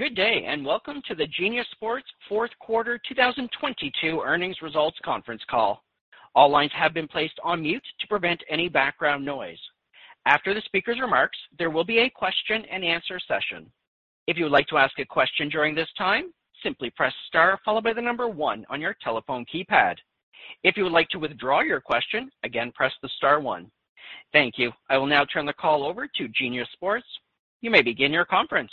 Good day, welcome to the Genius Sports Fourth Quarter 2022 earnings results conference call. All lines have been placed on mute to prevent any background noise. After the speaker's remarks, there will be a question and answer session. If you would like to ask a question during this time, simply press star followed by 1 on your telephone keypad. If you would like to withdraw your question, again, press the star one. Thank you. I will now turn the call over to Genius Sports. You may begin your conference.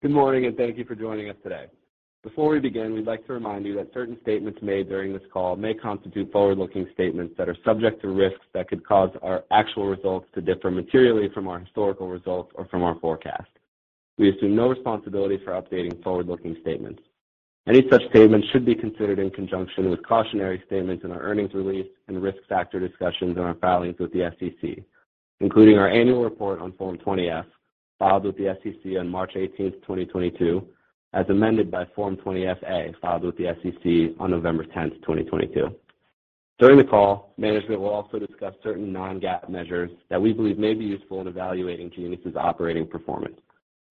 Good morning, and thank you for joining us today. Before we begin, we'd like to remind you that certain statements made during this call may constitute forward-looking statements that are subject to risks that could cause our actual results to differ materially from our historical results or from our forecast. We assume no responsibility for updating forward-looking statements. Any such statements should be considered in conjunction with cautionary statements in our earnings release and risk factor discussions in our filings with the SEC, including our annual report on Form 20-F, filed with the SEC on March 18th, 2022, as amended by Form 20-F/A, filed with the SEC on November 10th, 2022. During the call, management will also discuss certain non-GAAP measures that we believe may be useful in evaluating Genius' operating performance.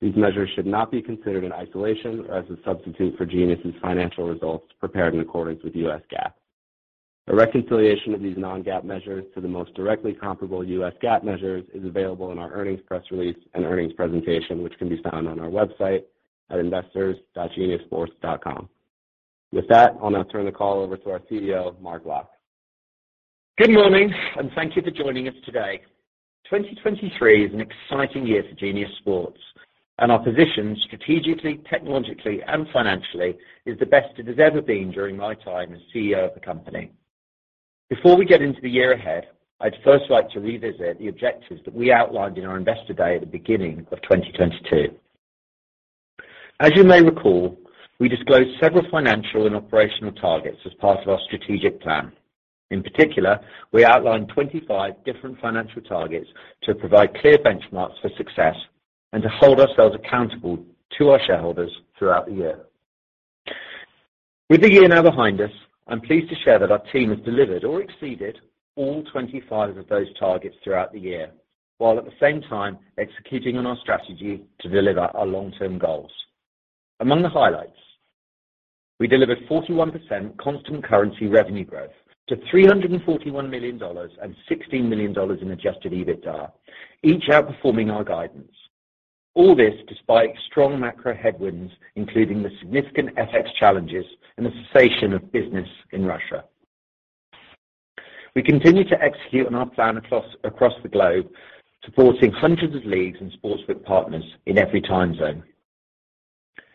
These measures should not be considered in isolation or as a substitute for Genius's financial results prepared in accordance with the U.S. GAAP. A reconciliation of these non-GAAP measures to the most directly comparable U.S. GAAP measures is available in our earnings press release and earnings presentation, which can be found on our website at investors.geniussports.com. With that, I'll now turn the call over to our CEO, Mark Locke. Good morning. Thank you for joining us today. 2023 is an exciting year for Genius Sports, and our position strategically, technologically, and financially is the best it has ever been during my time as CEO of the company. Before we get into the year ahead, I'd first like to revisit the objectives that we outlined in our Investor Day at the beginning of 2022. As you may recall, we disclosed several financial and operational targets as part of our strategic plan. In particular, we outlined 25 different financial targets to provide clear benchmarks for success and to hold ourselves accountable to our shareholders throughout the year. With the year now behind us, I'm pleased to share that our team has delivered or exceeded all 25 of those targets throughout the year, while at the same time executing on our strategy to deliver our long-term goals. Among the highlights, we delivered 41% constant currency revenue growth to $341 million and $60 million in Adjusted EBITDA, each outperforming our guidance. All this despite strong macro headwinds, including the significant FX challenges and the cessation of business in Russia. We continue to execute on our plan across the globe, supporting hundreds of leagues and sportsbook partners in every time zone.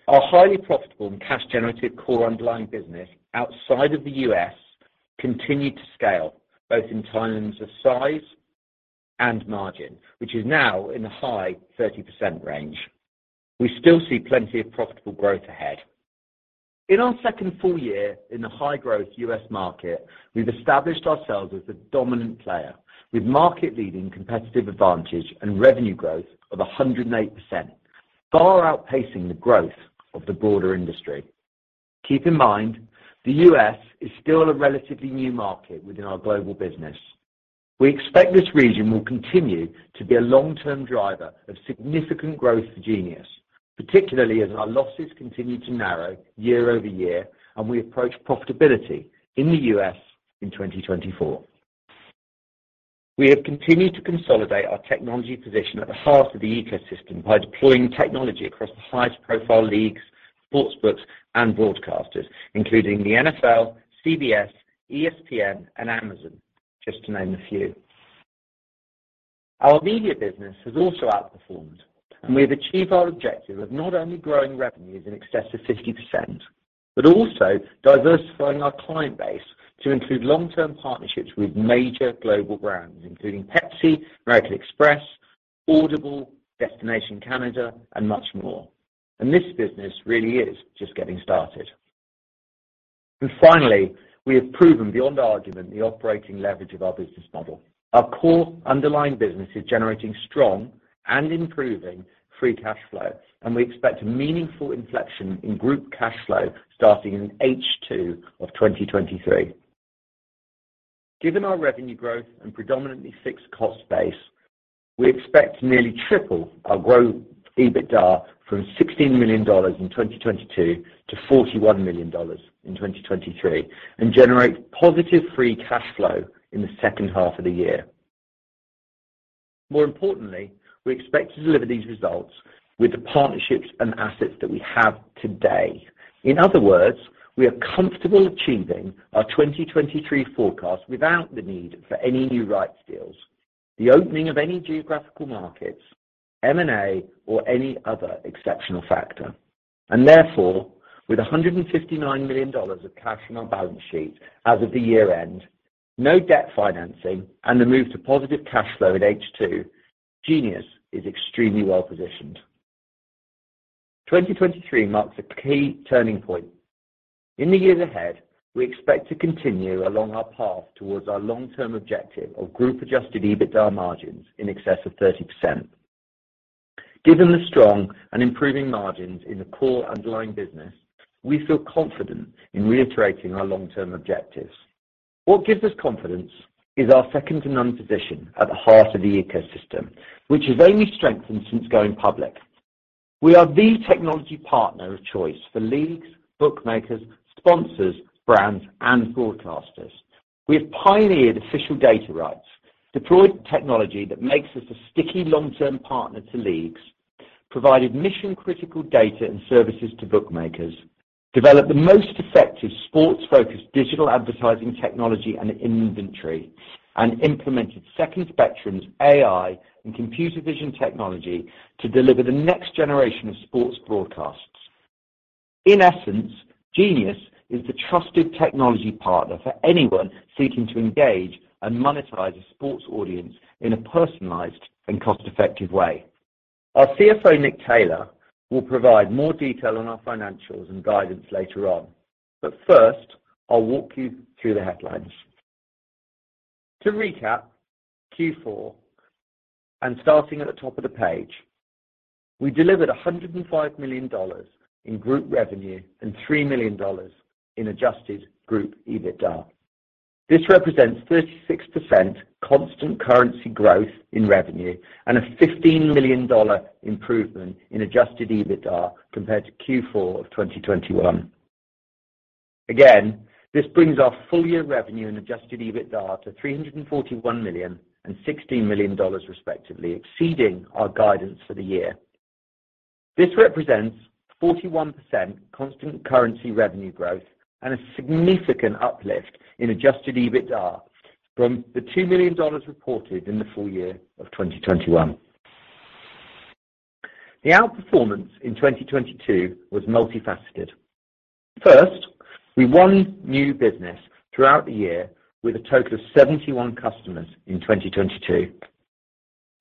Our highly profitable and cash generative core underlying business outside of the U.S. continued to scale both in terms of size and margin, which is now in the high 30% range. We still see plenty of profitable growth ahead. In our second full year in the high-growth U.S. market, we've established ourselves as the dominant player with market-leading competitive advantage and revenue growth of 108%, far outpacing the growth of the broader industry. Keep in mind, the U.S. is still a relatively new market within our global business. We expect this region will continue to be a long-term driver of significant growth for Genius, particularly as our losses continue to narrow year-over-year and we approach profitability in the U.S. in 2024. We have continued to consolidate our technology position at the heart of the ecosystem by deploying technology across the highest profile leagues, sportsbooks, and broadcasters, including the NFL, CBS, ESPN, and Amazon, just to name a few. Our media business has also outperformed, and we have achieved our objective of not only growing revenues in excess of 50%, but also diversifying our client base to include long-term partnerships with major global brands, including Pepsi, American Express, Audible, Destination Canada, and much more. This business really is just getting started. Finally, we have proven beyond argument the operating leverage of our business model. Our core underlying business is generating strong and improving free cash flow, and we expect a meaningful inflection in group cash flow starting in H2 of 2023. Given our revenue growth and predominantly fixed cost base, we expect to nearly triple our group EBITDA from $16 million in 2022 to $41 million in 2023 and generate positive free cash flow in the second half of the year. More importantly, we expect to deliver these results with the partnerships and assets that we have today. In other words, we are comfortable achieving our 2023 forecast without the need for any new rights deals, the opening of any geographical markets, M&A or any other exceptional factor. Therefore, with $159 million of cash on our balance sheet as of the year-end, no debt financing and the move to positive cash flow in H2, Genius is extremely well-positioned. 2023 marks a key turning point. In the years ahead, we expect to continue along our path towards our long-term objective of group-adjusted EBITDA margins in excess of 30%. Given the strong and improving margins in the core underlying business, we feel confident in reiterating our long-term objectives. What gives us confidence is our second-to-none position at the heart of the ecosystem, which has only strengthened since going public. We are the technology partner of choice for leagues, bookmakers, sponsors, brands, and broadcasters. We have pioneered official data rights, deployed technology that makes us a sticky long-term partner to leagues, provided mission-critical data and services to bookmakers, developed the most effective sports-focused digital advertising technology and inventory, and implemented Second Spectrum's AI and computer vision technology to deliver the next generation of sports broadcasts. In essence, Genius is the trusted technology partner for anyone seeking to engage and monetize a sports audience in a personalized and cost-effective way. Our CFO, Nick Taylor, will provide more detail on our financials and guidance later on. First, I'll walk you through the headlines. To recap Q4, starting at the top of the page, we delivered $105 million in group revenue and $3 million in Adjusted EBITDA. This represents 36% constant currency growth in revenue and a $15 million improvement in Adjusted EBITDA compared to Q4 of 2021. This brings our full-year revenue and Adjusted EBITDA to $341 million and $60 million, respectively, exceeding our guidance for the year. This represents 41% constant currency revenue growth and a significant uplift in Adjusted EBITDA from the $2 million reported in the full year of 2021. The outperformance in 2022 was multifaceted. First, we won new business throughout the year with a total of 71 customers in 2022.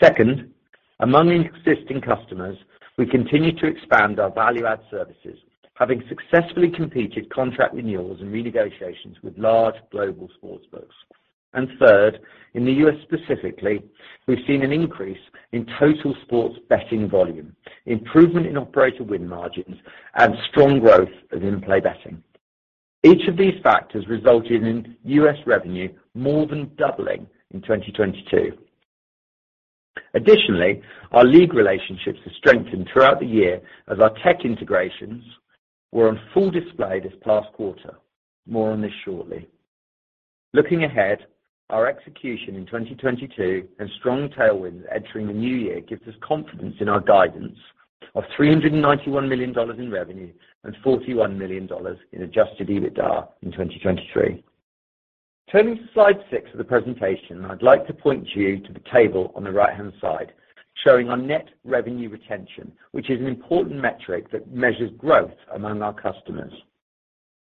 Second, among existing customers, we continued to expand our value-add services, having successfully completed contract renewals and renegotiations with large global sportsbooks. Third, in the U.S. specifically, we've seen an increase in total sports betting volume, improvement in operator win margins, and strong growth of in-play betting. Each of these factors resulted in U.S. revenue more than doubling in 2022. Additionally, our league relationships have strengthened throughout the year as our tech integrations were on full display this past quarter. More on this shortly. Looking ahead, our execution in 2022 and strong tailwinds entering the new year gives us confidence in our guidance of $391 million in revenue and $41 million in Adjusted EBITDA in 2023. Turning to slide six of the presentation, I'd like to point you to the table on the right-hand side, showing our net revenue retention, which is an important metric that measures growth among our customers.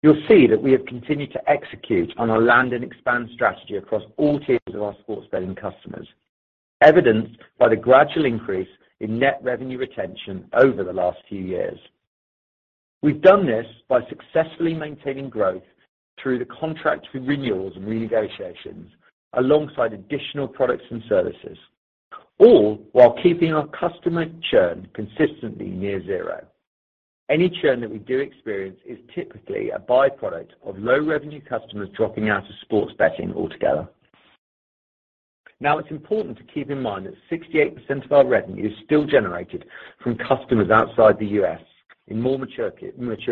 You'll see that we have continued to execute on our land-and-expand strategy across all tiers of our sports betting customers, evidenced by the gradual increase in net revenue retention over the last few years. We've done this by successfully maintaining growth through the contract renewals and renegotiations alongside additional products and services, all while keeping our customer churn consistently near zero. Any churn that we do experience is typically a by-product of low-revenue customers dropping out of sports betting altogether. It's important to keep in mind that 68% of our revenue is still generated from customers outside the US in more mature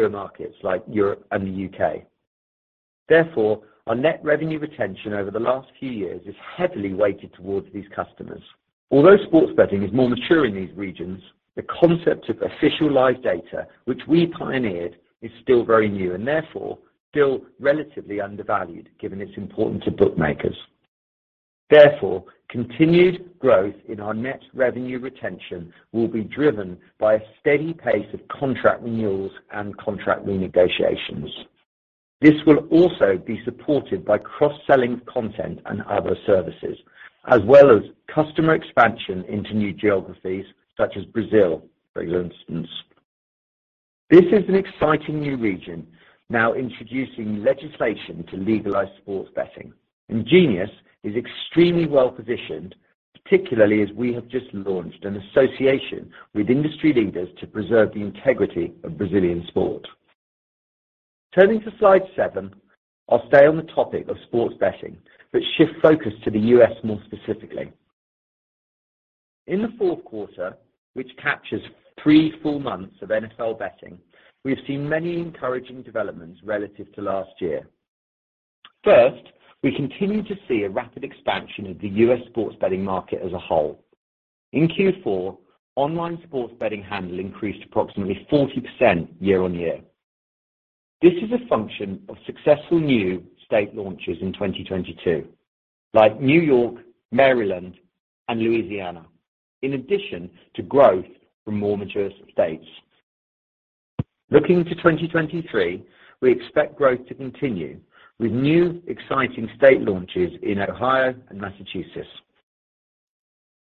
markets like Europe and the UK. Our net revenue retention over the last few years is heavily weighted towards these customers. Although sports betting is more mature in these regions, the concept of official live data, which we pioneered, is still very new and therefore still relatively undervalued, given its importance to bookmakers. Therefore, continued growth in our net revenue retention will be driven by a steady pace of contract renewals and contract renegotiations. This will also be supported by cross-selling content and other services, as well as customer expansion into new geographies, such as Brazil, for instance. This is an exciting new region now introducing legislation to legalize sports betting, and Genius is extremely well-positioned, particularly as we have just launched an association with industry leaders to preserve the integrity of Brazilian sport. Turning to slide seven, I'll stay on the topic of sports betting but shift focus to the U.S. more specifically. In the fourth quarter, which captures 3 full months of NFL betting, we have seen many encouraging developments relative to last year. We continue to see a rapid expansion of the U.S. sports betting market as a whole. In Q4, online sports betting handle increased approximately 40% year-over-year. This is a function of successful new state launches in 2022, like New York, Maryland, and Louisiana, in addition to growth from more mature states. Looking to 2023, we expect growth to continue with new exciting state launches in Ohio and Massachusetts.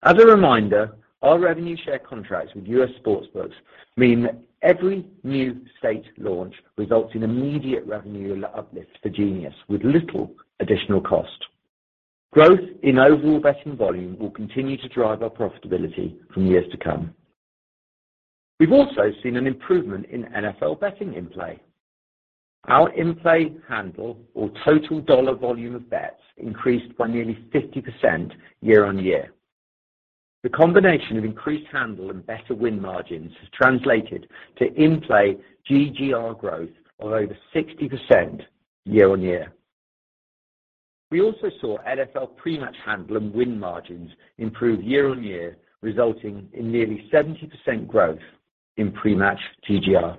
As a reminder, our revenue share contracts with U.S. sportsbooks mean that every new state launch results in immediate revenue uplifts for Genius with little additional cost. Growth in overall betting volume will continue to drive our profitability for years to come. We've also seen an improvement in NFL betting in-play. Our in-play handle or total dollar volume of bets increased by nearly 50% year-on-year. The combination of increased handle and better win margins has translated to in-play GGR growth of over 60% year-on-year. We also saw NFL pre-match handle and win margins improve year-on-year, resulting in nearly 70% growth in pre-match GGR.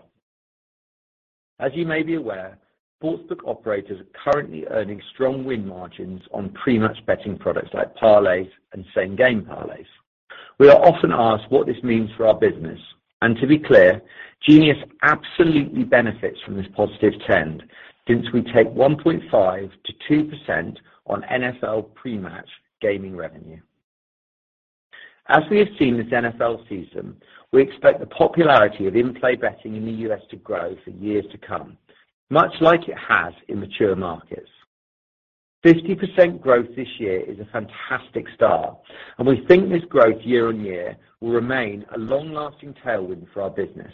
As you may be aware, sportsbook operators are currently earning strong win margins on pre-match betting products like parlays and same-game parlays. We are often asked what this means for our business, and to be clear, Genius absolutely benefits from this positive trend since we take 1.5%-2% on NFL pre-match gaming revenue. As we have seen this NFL season, we expect the popularity of in-play betting in the U.S. to grow for years to come, much like it has in mature markets. 50% growth this year is a fantastic start, we think this growth year-over-year will remain a long-lasting tailwind for our business.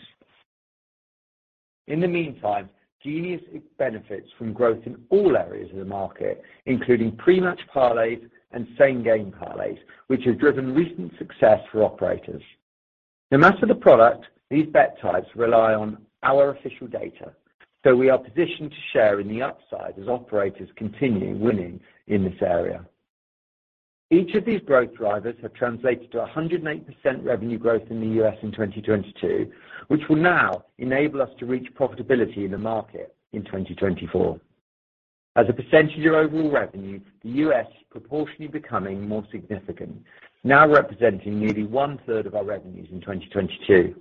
In the meantime, Genius benefits from growth in all areas of the market, including pre-match parlays and same-game parlays, which has driven recent success for operators. No matter the product, these bet types rely on our official data, we are positioned to share in the upside as operators continue winning in this area. Each of these growth drivers have translated to a 108% revenue growth in the U.S. in 2022, which will now enable us to reach profitability in the market in 2024. As a percentage of overall revenue, the U.S. proportionally becoming more significant, now representing nearly 1/3 of our revenues in 2022.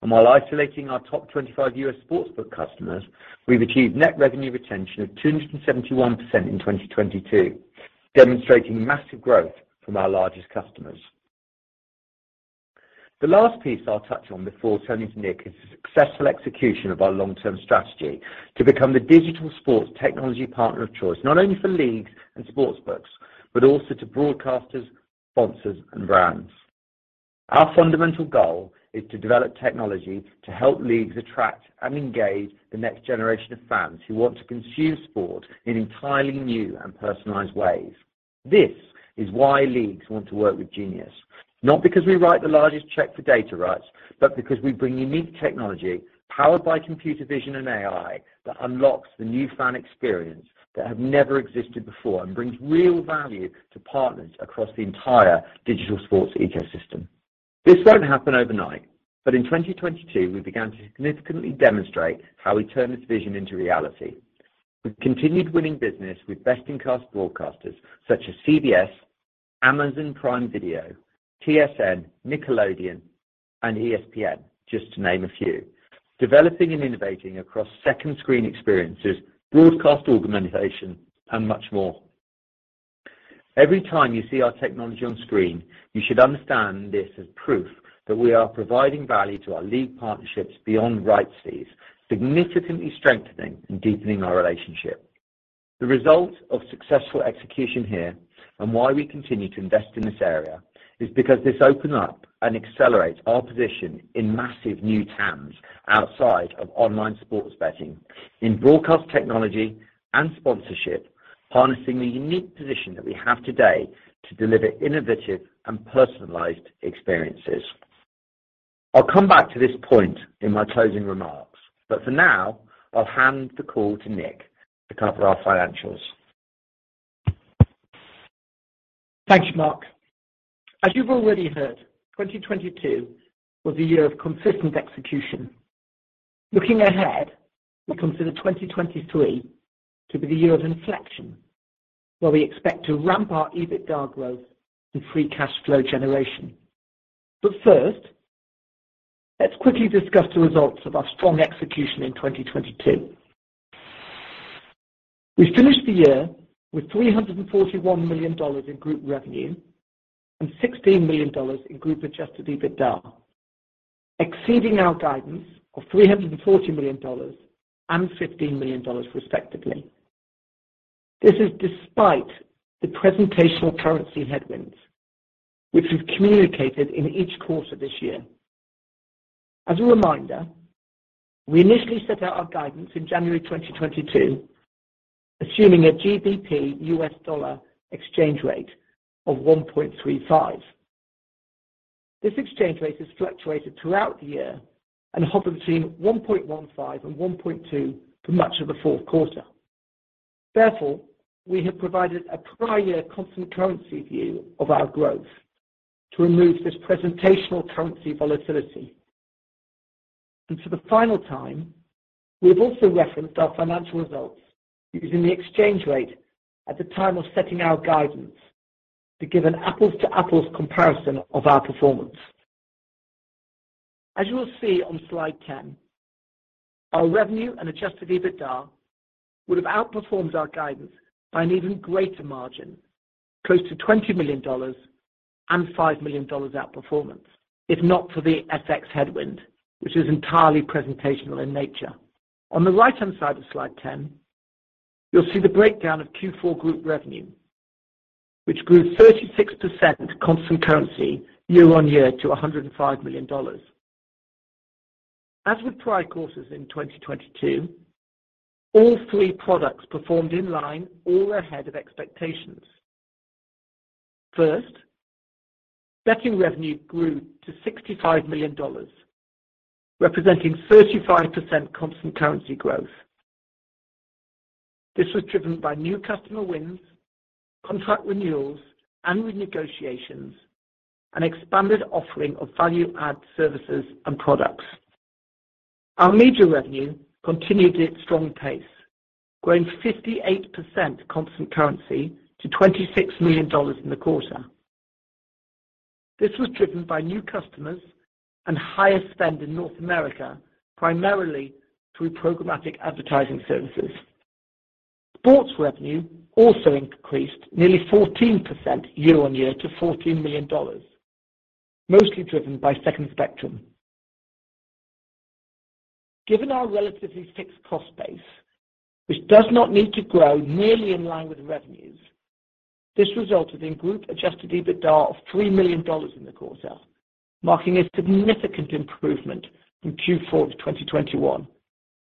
While isolating our top 25 US sportsbook customers, we've achieved net revenue retention of 271% in 2022, demonstrating massive growth from our largest customers. The last piece I'll touch on before turning to Nick is the successful execution of our long-term strategy to become the digital sports technology partner of choice, not only for leagues and sportsbooks, but also to broadcasters, sponsors, and brands. Our fundamental goal is to develop technology to help leagues attract and engage the next generation of fans who want to consume sport in entirely new and personalized ways. This is why leagues want to work with Genius. Not because we write the largest check for data rights, but because we bring unique technology powered by computer vision and AI that unlocks the new fan experience that have never existed before and brings real value to partners across the entire digital sports ecosystem. This won't happen overnight, but in 2022, we began to significantly demonstrate how we turn this vision into reality. We've continued winning business with best-in-class broadcasters such as CBS, Amazon Prime Video, TSN, Nickelodeon, and ESPN, just to name a few. Developing and innovating across second screen experiences, broadcast augmentation, and much more. Every time you see our technology on screen, you should understand this as proof that we are providing value to our league partnerships beyond rights fees, significantly strengthening and deepening our relationship. The result of successful execution here, and why we continue to invest in this area, is because this opened up and accelerates our position in massive new TAMs outside of online sports betting in broadcast technology and sponsorship, harnessing the unique position that we have today to deliver innovative and personalized experiences. I'll come back to this point in my closing remarks, but for now, I'll hand the call to Nick to cover our financials. Thank you, Mark. As you've already heard, 2022 was a year of consistent execution. Looking ahead, we consider 2023 to be the year of inflection, where we expect to ramp our EBITDA growth and free cash flow generation. First, let's quickly discuss the results of our strong execution in 2022. We finished the year with $341 million in group revenue and $16 million in group Adjusted EBITDA, exceeding our guidance of $340 million and $15 million respectively. This is despite the presentational currency headwinds which we've communicated in each quarter this year. As a reminder, we initially set out our guidance in January 2022, assuming a GBP US dollar exchange rate of 1.35. This exchange rate has fluctuated throughout the year and hovered between 1.15 and 1.2 for much of the fourth quarter. Therefore, we have provided a prior constant currency view of our growth to remove this presentational currency volatility. For the final time, we have also referenced our financial results using the exchange rate at the time of setting our guidance to give an apples-to-apples comparison of our performance. As you will see on slide 10, our revenue and Adjusted EBITDA would have outperformed our guidance by an even greater margin, close to $20 million, and $5 million outperformance, if not for the FX headwind, which is entirely presentational in nature. On the right-hand side of slide 10, you'll see the breakdown of Q4 group revenue, which grew 36% constant currency year-on-year to $105 million. As with prior quarters in 2022, all three products performed in line, all ahead of expectations. First, betting revenue grew to $65 million, representing 35% constant currency growth. This was driven by new customer wins, contract renewals and renegotiations, and expanded offering of value-add services and products. Our media revenue continued its strong pace, growing 58% constant currency to $26 million in the quarter. This was driven by new customers and higher spend in North America, primarily through programmatic advertising services. Sports revenue also increased nearly 14% year-on-year to $14 million, mostly driven by Second Spectrum. Given our relatively fixed cost base, which does not need to grow nearly in line with revenues, this resulted in group Adjusted EBITDA of $3 million in the quarter, marking a significant improvement from Q4 of 2021,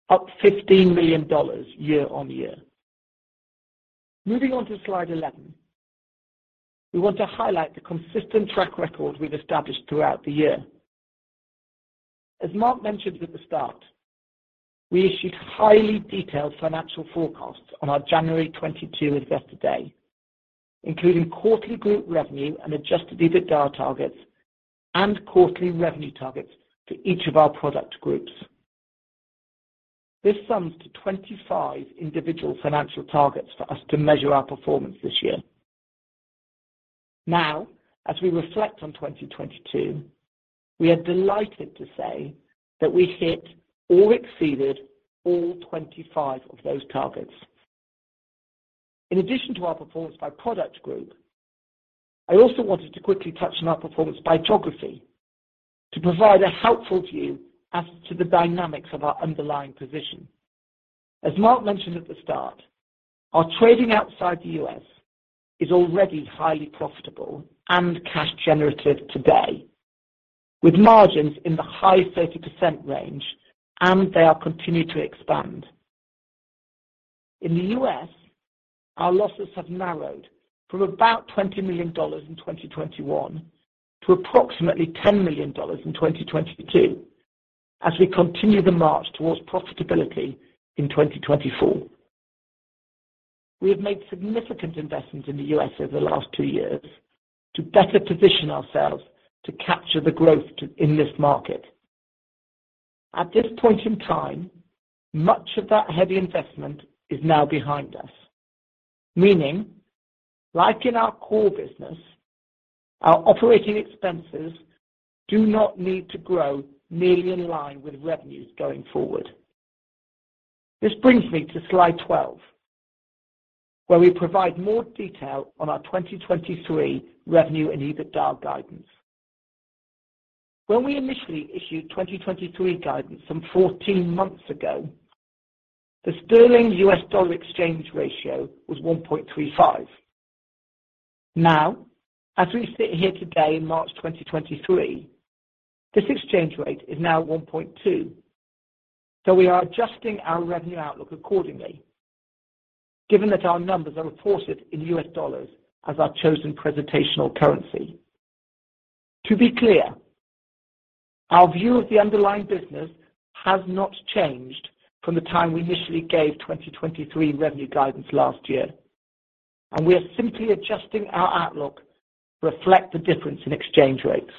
up $15 million year-on-year. Moving on to slide 11. We want to highlight the consistent track record we've established throughout the year. As Mark mentioned at the start, we issued highly detailed financial forecasts on our January 22 Investor Day, including quarterly group revenue and Adjusted EBITDA targets and quarterly revenue targets for each of our product groups. This sums to 25 individual financial targets for us to measure our performance this year. Now, as we reflect on 2022, we are delighted to say that we hit or exceeded all 25 of those targets. In addition to our performance by product group, I also wanted to quickly touch on our performance by geography to provide a helpful view as to the dynamics of our underlying position. As Mark mentioned at the start, our trading outside the U.S. is already highly profitable and cash generative today, with margins in the high 30% range. They are continued to expand. In the U.S., our losses have narrowed from about $20 million in 2021 to approximately $10 million in 2022 as we continue the march towards profitability in 2024. We have made significant investments in the U.S. over the last two years to better position ourselves to capture the growth in this market. At this point in time, much of that heavy investment is now behind us. Meaning, like in our core business, our operating expenses do not need to grow nearly in line with revenues going forward. This brings me to slide 12, where we provide more detail on our 2023 revenue and EBITDA guidance. When we initially issued 2023 guidance some 14 months ago, the sterling-U.S. dollar exchange ratio was 1.35. Now, as we sit here today in March 2023, this exchange rate is now 1.2, so we are adjusting our revenue outlook accordingly, given that our numbers are reported in U.S. dollars as our chosen presentational currency. To be clear, our view of the underlying business has not changed from the time we initially gave 2023 revenue guidance last year, and we are simply adjusting our outlook to reflect the difference in exchange rates.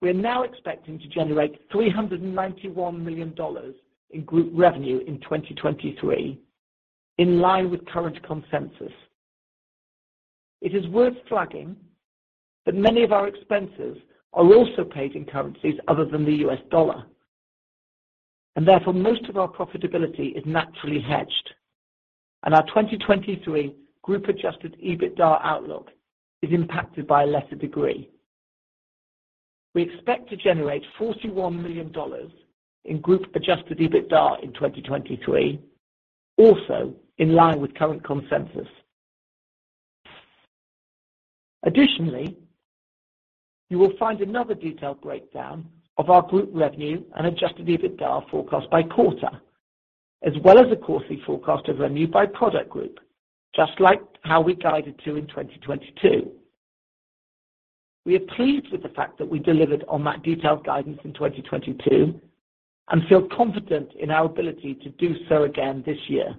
We are now expecting to generate $391 million in group revenue in 2023, in line with current consensus. It is worth flagging that many of our expenses are also paid in currencies other than the U.S. dollar, and therefore most of our profitability is naturally hedged. Our 2023 group Adjusted EBITDA outlook is impacted by a lesser degree. We expect to generate $41 million in group Adjusted EBITDA in 2023, also in line with current consensus. Additionally, you will find another detailed breakdown of our group revenue and Adjusted EBITDA forecast by quarter, as well as a quarterly forecast of revenue by product group, just like how we guided to in 2022. We are pleased with the fact that we delivered on that detailed guidance in 2022 and feel confident in our ability to do so again this year.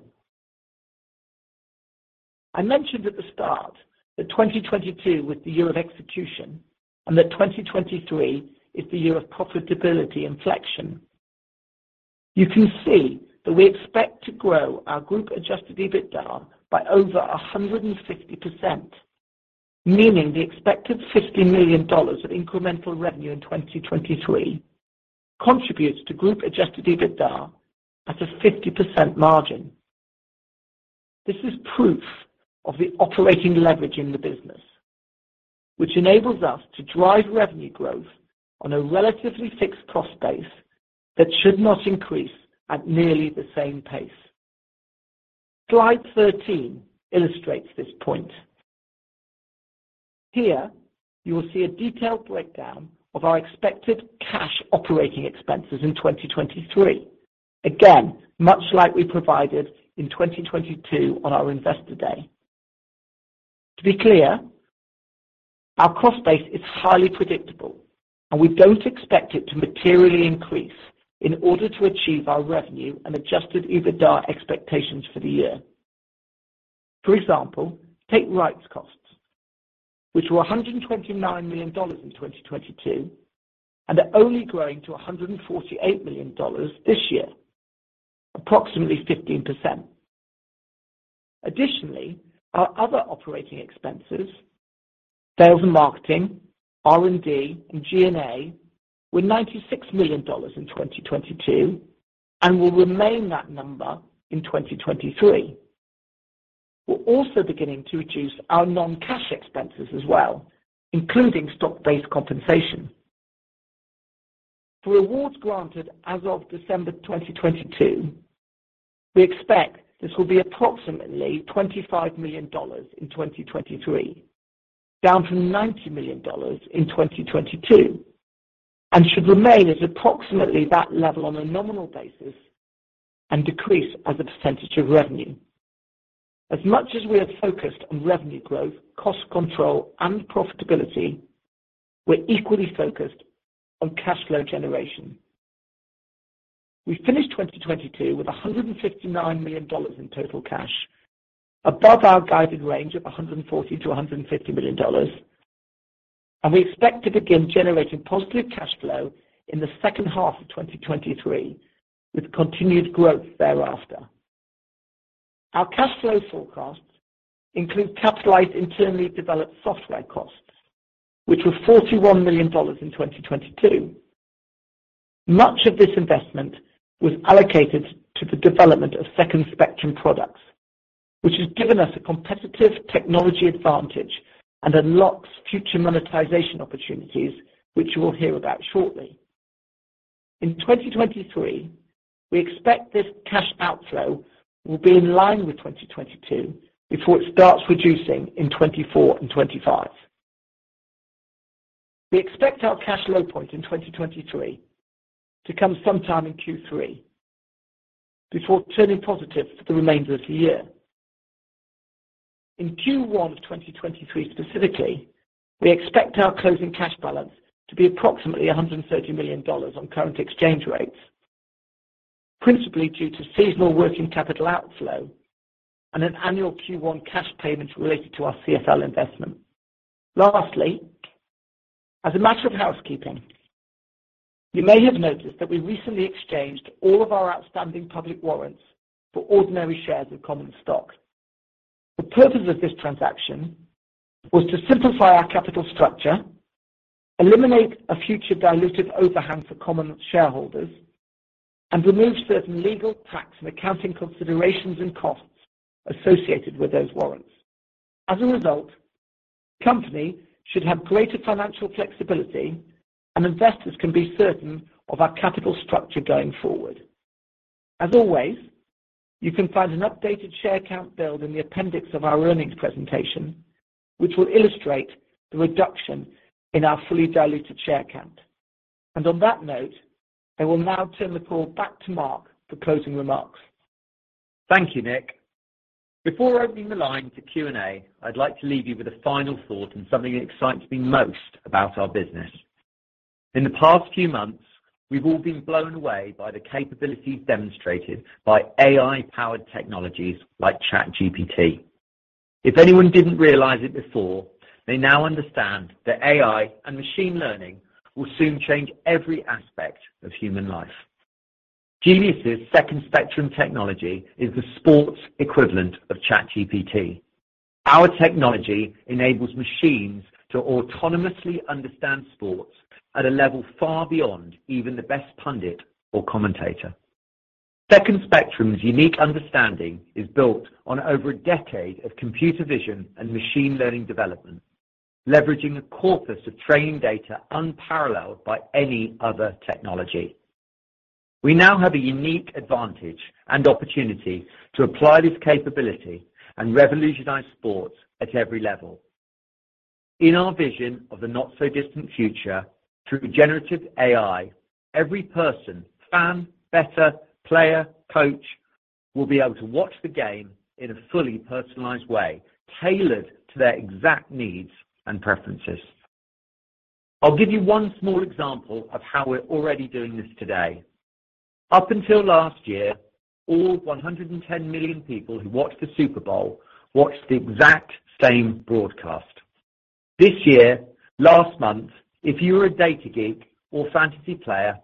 I mentioned at the start that 2022 was the year of execution and that 2023 is the year of profitability inflection. You can see that we expect to grow our group Adjusted EBITDA by over 150%, meaning the expected $50 million of incremental revenue in 2023 contributes to group Adjusted EBITDA at a 50% margin. This is proof of the operating leverage in the business, which enables us to drive revenue growth on a relatively fixed cost base that should not increase at nearly the same pace. Slide 13 illustrates this point. Here, you will see a detailed breakdown of our expected cash operating expenses in 2023. Much like we provided in 2022 on our investor day. To be clear, our cost base is highly predictable and we don't expect it to materially increase in order to achieve our revenue and Adjusted EBITDA expectations for the year. For example, take rights costs, which were $129 million in 2022, and they're only growing to $148 million this year, approximately 15%. Our other operating expenses, sales and marketing, R&D, and G&A, were $96 million in 2022 and will remain that number in 2023. We're also beginning to reduce our non-cash expenses as well, including stock-based compensation. For awards granted as of December 2022, we expect this will be approximately $25 million in 2023, down from $90 million in 2022, and should remain at approximately that level on a nominal basis and decrease as a % of revenue. As much as we are focused on revenue growth, cost control, and profitability, we're equally focused on cash flow generation. We finished 2022 with $159 million in total cash, above our guided range of $140 million-$150 million. We expect to begin generating positive cash flow in the second half of 2023, with continued growth thereafter. Our cash flow forecasts include capitalized internally developed software costs, which were $41 million in 2022. Much of this investment was allocated to the development of Second Spectrum products, which has given us a competitive technology advantage and unlocks future monetization opportunities, which you will hear about shortly. In 2023, we expect this cash outflow will be in line with 2022 before it starts reducing in 2024 and 2025. We expect our cash low point in 2023 to come sometime in Q3 before turning positive for the remainder of the year. In Q1 of 2023 specifically, we expect our closing cash balance to be approximately $130 million on current exchange rates, principally due to seasonal working capital outflow and an annual Q1 cash payments related to our CFL investment. As a matter of housekeeping, you may have noticed that we recently exchanged all of our outstanding public warrants for ordinary shares of common stock. The purpose of this transaction was to simplify our capital structure, eliminate a future dilutive overhang for common shareholders, and remove certain legal, tax, and accounting considerations and costs associated with those warrants. The company should have greater financial flexibility and investors can be certain of our capital structure going forward. As always, you can find an updated share count build in the appendix of our earnings presentation, which will illustrate the reduction in our fully diluted share count. On that note, I will now turn the call back to Mark for closing remarks. Thank you, Nick. Before opening the line to Q&A, I'd like to leave you with a final thought on something that excites me most about our business. In the past few months, we've all been blown away by the capabilities demonstrated by AI-powered technologies like ChatGPT. If anyone didn't realize it before, they now understand that AI and machine learning will soon change every aspect of human life. Genius' Second Spectrum technology is the sports equivalent of ChatGPT. Our technology enables machines to autonomously understand sports at a level far beyond even the best pundit or commentator. Second Spectrum's unique understanding is built on over a decade of computer vision and machine learning development, leveraging a corpus of training data unparalleled by any other technology. We now have a unique advantage and opportunity to apply this capability and revolutionize sports at every level. In our vision of the not-so-distant future, through generative AI, every person, fan, bettor, player, coach, will be able to watch the game in a fully personalized way tailored to their exact needs and preferences. I'll give you one small example of how we're already doing this today. Up until last year, all 110 million people who watched the Super Bowl watched the exact same broadcast. This year, last month, if you were a data geek or fantasy player,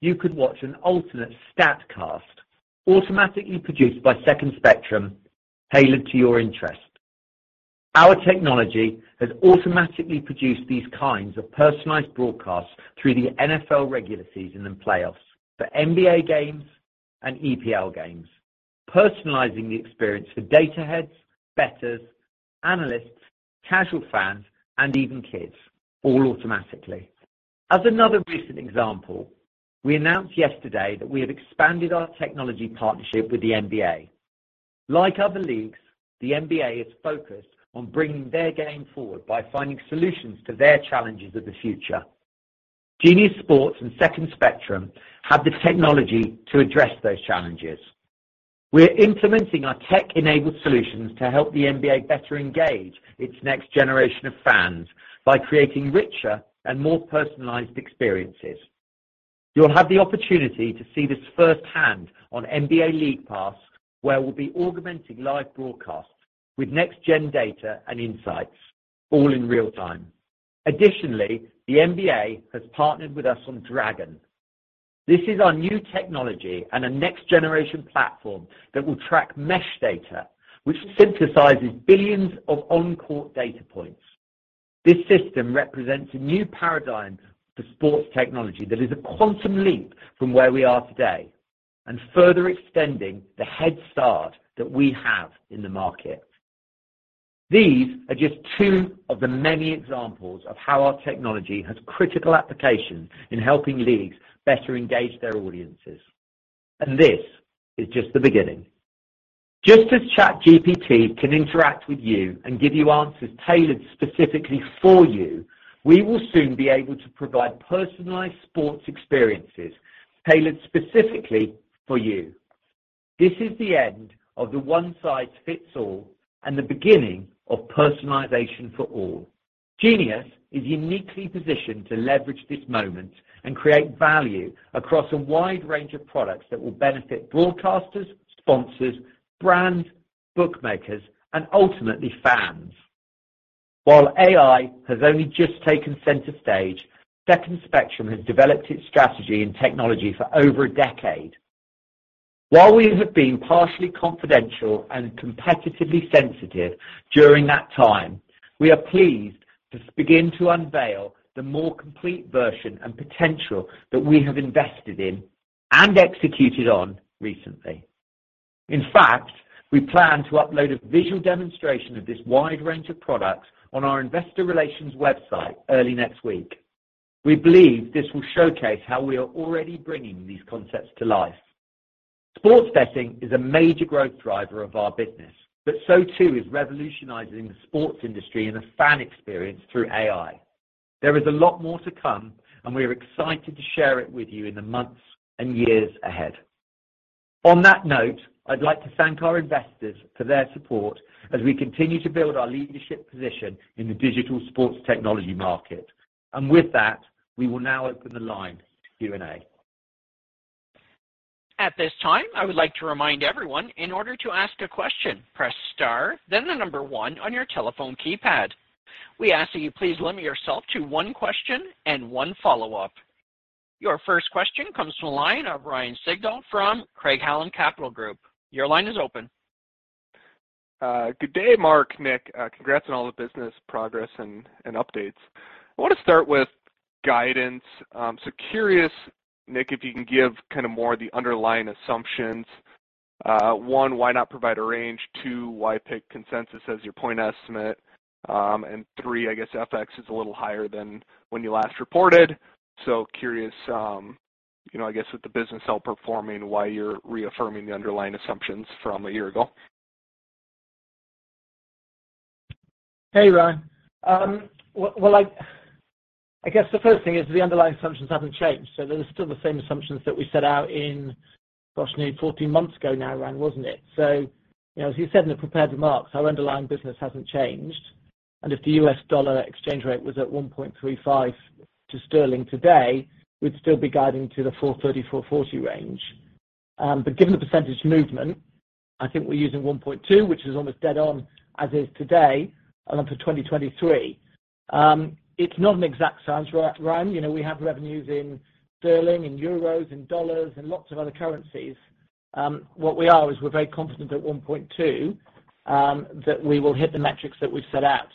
you could watch an alternate Statcast automatically produced by Second Spectrum tailored to your interests. Our technology has automatically produced these kinds of personalized broadcasts through the NFL regular season and playoffs for NBA games and EPL games, personalizing the experience for data heads, betters, analysts, casual fans, and even kids, all automatically. As another recent example, we announced yesterday that we have expanded our technology partnership with the NBA. Like other leagues, the NBA is focused on bringing their game forward by finding solutions to their challenges of the future. Genius Sports and Second Spectrum have the technology to address those challenges. We're implementing our tech-enabled solutions to help the NBA better engage its next generation of fans by creating richer and more personalized experiences. You'll have the opportunity to see this firsthand on NBA League Pass, where we'll be augmenting live broadcasts with next-gen data and insights, all in real time. Additionally, the NBA has partnered with us on Dragon. This is our new technology and a next-generation platform that will track mesh data, which synthesizes billions of on-court data points. This system represents a new paradigm for sports technology that is a quantum leap from where we are today, and further extending the head start that we have in the market. These are just two of the many examples of how our technology has critical application in helping leagues better engage their audiences, and this is just the beginning. Just as ChatGPT can interact with you and give you answers tailored specifically for you, we will soon be able to provide personalized sports experiences tailored specifically for you. This is the end of the one-size-fits-all and the beginning of personalization for all. Genius is uniquely positioned to leverage this moment and create value across a wide range of products that will benefit broadcasters, sponsors, brands, bookmakers, and ultimately fans. While AI has only just taken center stage, Second Spectrum has developed its strategy and technology for over a decade. While we have been partially confidential and competitively sensitive during that time, we are pleased to begin to unveil the more complete version and potential that we have invested in and executed on recently. In fact, we plan to upload a visual demonstration of this wide range of products on our investor relations website early next week. We believe this will showcase how we are already bringing these concepts to life. Sports betting is a major growth driver of our business, but so too is revolutionizing the sports industry and the fan experience through AI. There is a lot more to come, and we are excited to share it with you in the months and years ahead. On that note, I'd like to thank our investors for their support as we continue to build our leadership position in the digital sports technology market. With that, we will now open the line to Q&A. At this time, I would like to remind everyone, in order to ask a question, press star then 1 on your telephone keypad. We ask that you please limit yourself to one question and one follow-up. Your first question comes from the line of Ryan Sigdahl from Craig-Hallum Capital Group. Your line is open. Good day, Mark, Nick. Congrats on all the business progress and updates. I wanna start with guidance. Curious, Nick, if you can give kinda more of the underlying assumptions. One, why not provide a range? Two, why pick consensus as your point estimate? Three, I guess FX is a little higher than when you last reported. Curious, you know, I guess with the business outperforming, why you're reaffirming the underlying assumptions from a year ago? Hey, Ryan. Well, I guess the first thing is the underlying assumptions haven't changed, so they're still the same assumptions that we set out in, gosh, nearly 14 months ago now, Ryan, wasn't it? You know, as you said in the prepared remarks, our underlying business hasn't changed, and if the US dollar exchange rate was at 1.35 to sterling today, we'd still be guiding to the $430-$440 range. Given the percentage movement, I think we're using 1.2, which is almost dead on as is today and onto 2023. It's not an exact science, Ryan. You know, we have revenues in sterling, in euros, in dollars, and lots of other currencies. What we are is we're very confident at 1.2 that we will hit the metrics that we've set out.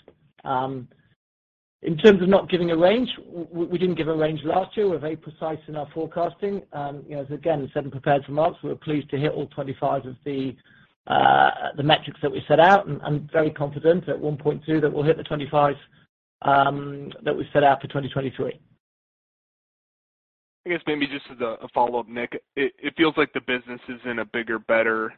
In terms of not giving a range, we didn't give a range last year. We're very precise in our forecasting. You know, as again, the seven prepared remarks, we were pleased to hit all 25 of the metrics that we set out, and I'm very confident at 1.2 that we'll hit the 25 that we set out for 2023. I guess maybe just as a follow-up, Nick, it feels like the business is in a bigger, better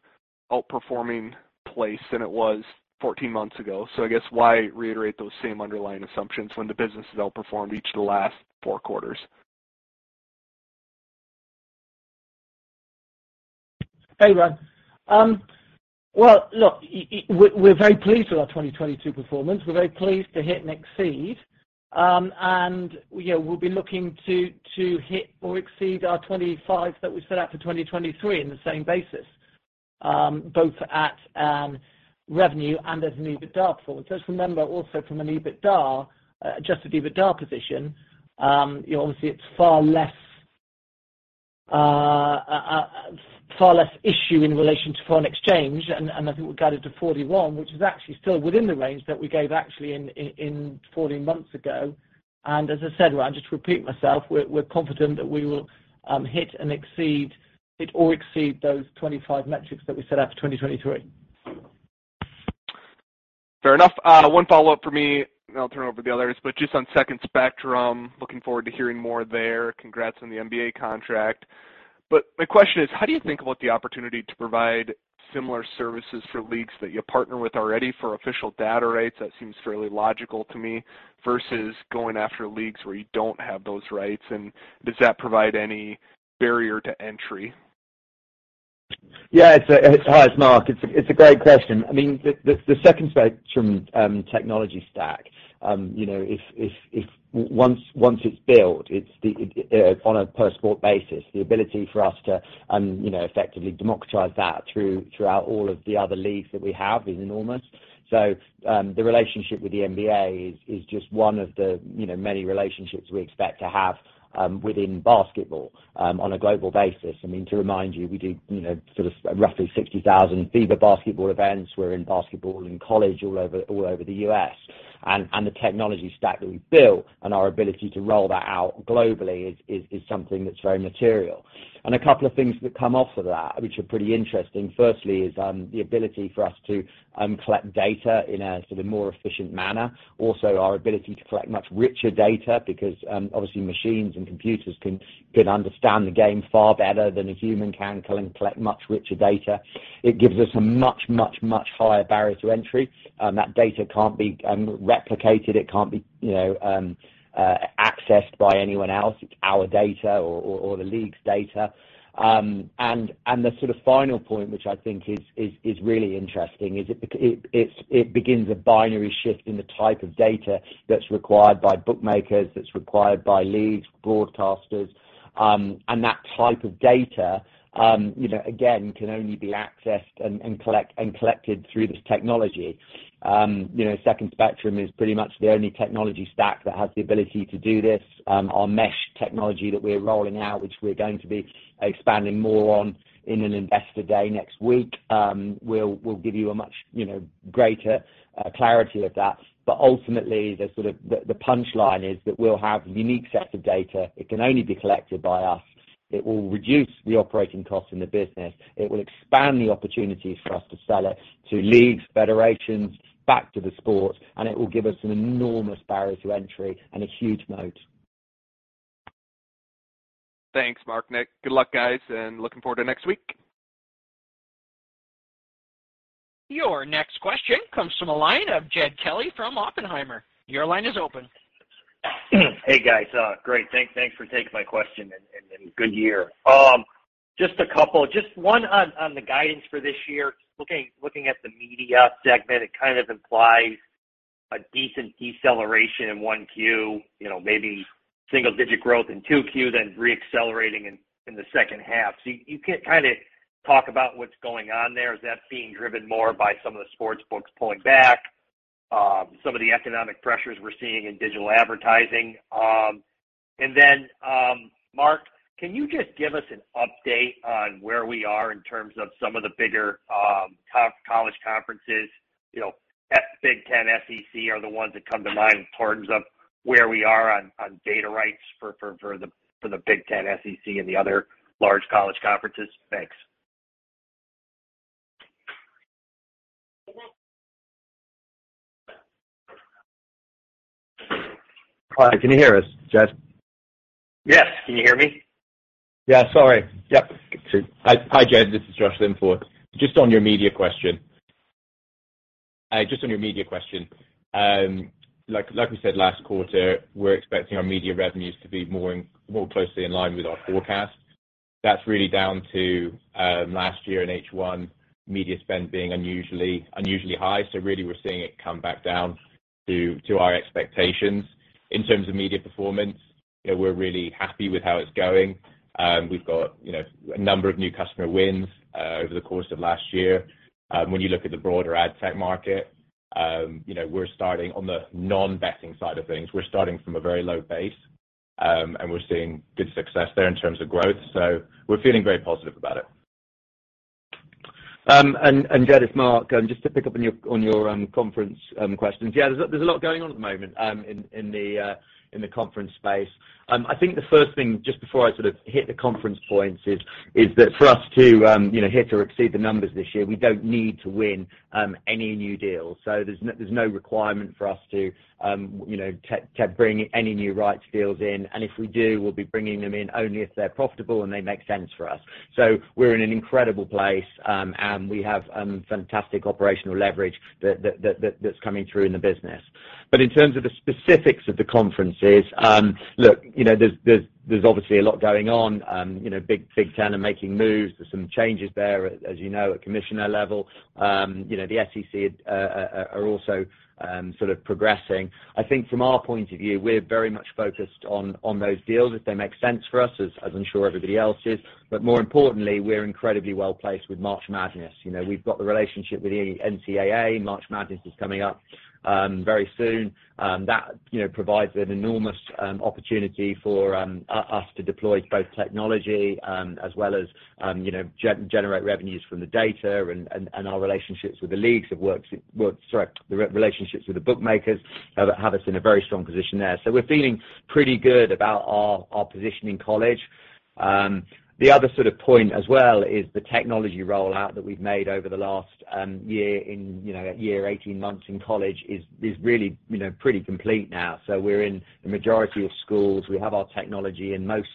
outperforming place than it was 14 months ago. I guess why reiterate those same underlying assumptions when the business has outperformed each of the last four quarters? Hey, Ryan. Well, look, we're very pleased with our 2022 performance. We're very pleased to hit and exceed. You know, we'll be looking to hit or exceed our 25 that we set out for 2023 in the same basis, both at revenue and as an EBITDA form. Just remember also from an Adjusted EBITDA position, you know, obviously it's far less far less issue in relation to foreign exchange. I think we got it to 41, which is actually still within the range that we gave actually in 14 months ago. As I said, well, I'll just repeat myself, we're confident that we will hit and exceed, hit or exceed those 25 metrics that we set out for 2023. Fair enough. One follow-up for me, and I'll turn it over to the others. Just on Second Spectrum, looking forward to hearing more there. Congrats on the NBA contract. My question is, how do you think about the opportunity to provide similar services for leagues that you partner with already for official data rights, that seems fairly logical to me, versus going after leagues where you don't have those rights? Does that provide any barrier to entry? Yeah, hi, it's Mark. It's a great question. I mean, the Second Spectrum technology stack, you know, once it's built, it's on a per sport basis, the ability for us to, you know, effectively democratize that throughout all of the other leagues that we have is enormous. The relationship with the NBA is just one of the, you know, many relationships we expect to have within basketball on a global basis. I mean, to remind you, we do, you know, sort of roughly 60,000 FIBA basketball events. We're in basketball, in college all over the U.S. The technology stack that we've built and our ability to roll that out globally is something that's very material. A couple of things that come off of that, which are pretty interesting, firstly, is the ability for us to collect data in a sort of more efficient manner. Also, our ability to collect much richer data because obviously machines and computers can understand the game far better than a human can collect much richer data. It gives us a much, much, much higher barrier to entry. That data can't be replicated, it can't be, you know, accessed by anyone else. It's our data or, or the league's data. The sort of final point, which I think is really interesting, it begins a binary shift in the type of data that's required by bookmakers, that's required by leagues, broadcasters, and that type of data, again, can only be accessed and collected through this technology. Second Spectrum is pretty much the only technology stack that has the ability to do this. Our mesh technology that we're rolling out, which we're going to be expanding more on in an investor day next week, we'll give you a much, you know, greater clarity of that. Ultimately, the sort of the punchline is that we'll have a unique set of data that can only be collected by us. It will reduce the operating costs in the business. It will expand the opportunities for us to sell it to leagues, federations, back to the sport, and it will give us an enormous barrier to entry and a huge moat. Thanks, Mark, Nick. Good luck, guys, and looking forward to next week. Your next question comes from the line of Jed Kelly from Oppenheimer. Your line is open. Hey, guys. Great. Thanks for taking my question and good year. Just one on the guidance for this year. Looking at the media segment, it kind of implies a decent deceleration in 1Q, you know, maybe single-digit growth in 2Q, then reaccelerating in the second half. You kind of talk about what's going on there. Is that being driven more by some of the sports books pulling back? Some of the economic pressures we're seeing in digital advertising. Mark, can you just give us an update on where we are in terms of some of the bigger college conferences? You know, at Big Ten, SEC are the ones that come to mind in terms of where we are on data rights for the Big Ten, SEC and the other large college conferences. Thanks. Hi. Can you hear us, Jed? Yes. Can you hear me? Yeah. Sorry. Yep. Good to- Hi, Jed. This is Josh Linforth. Just on your media question. Like we said, last quarter, we're expecting our media revenues to be more closely in line with our forecast. That's really down to last year in H1, media spend being unusually high. Really we're seeing it come back down to our expectations. In terms of media performance, you know, we're really happy with how it's going. We've got, you know, a number of new customer wins over the course of last year. When you look at the broader ad tech market, you know, we're starting on the non-betting side of things. We're starting from a very low base, and we're seeing good success there in terms of growth. We're feeling very positive about it. Jed, it's Mark. Just to pick up on your, on your conference questions. Yeah, there's a, there's a lot going on at the moment, in the, in the conference space. I think the first thing, just before I sort of hit the conference points is that for us to, you know, hit or exceed the numbers this year, we don't need to win any new deals. There's no requirement for us to, you know, bring any new rights deals in. If we do, we'll be bringing them in only if they're profitable and they make sense for us. We're in an incredible place, and we have fantastic operational leverage that's coming through in the business. In terms of the specifics of the conferences, look, you know, there's obviously a lot going on. You know, Big Ten are making moves. There's some changes there, as you know, at commissioner level. You know, the SEC are also sort of progressing. I think from our point of view, we're very much focused on those deals if they make sense for us, as I'm sure everybody else is. More importantly, we're incredibly well-placed with March Madness. You know, we've got the relationship with the NCAA. March Madness is coming up very soon. That, you know, provides an enormous opportunity for us to deploy both technology, as well as, you know, generate revenues from the data and our relationships with the leagues that Sorry, the relationships with the bookmakers have us in a very strong position there. We're feeling pretty good about our position in college. The other sort of point as well is the technology rollout that we've made over the last year in, you know, year, 18 months in college is really, you know, pretty complete now. We're in the majority of schools. We have our technology in most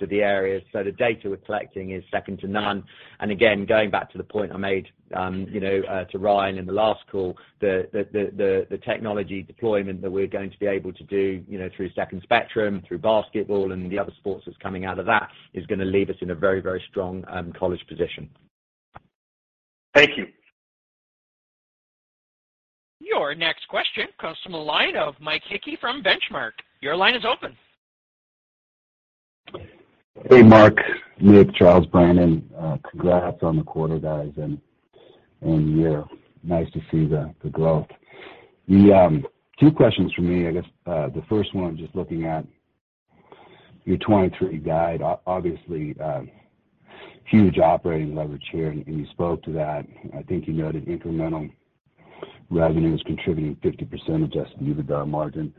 of the areas. The data we're collecting is second to none. again, going back to the point I made, you know, to Ryan in the last call, the technology deployment that we're going to be able to do, you know, through Second Spectrum, through basketball and the other sports that's coming out of that, is gonna leave us in a very strong, college position. Thank you. Your next question comes from the line of Mike Hickey from Benchmark. Your line is open. Hey, Mark. Nick, Charles, Brandon, congrats on the quarter, guys, and year. Nice to see the growth. Two questions from me. I guess, the first one, just looking at your 2023 guide, obviously, huge operating leverage here, and you spoke to that. I think you noted incremental revenue is contributing 50% Adjusted EBITDA margin.